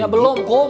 ya belum kum